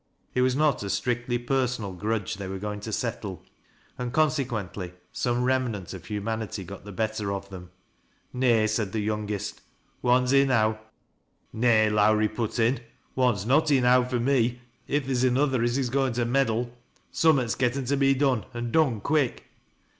It was not a strictly personal grudge they were going to settkj and consequently some remnant of humanity got the bet ter of them. " Nay," said the youngest, " one's enow." " Nay," Lowrie put in ;" one's not enow fur me, if theer's another as is goin' to meddle. Summat's ^ttea to be done, an' done quick."